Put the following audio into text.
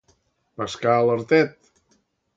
Pescar a l'artet.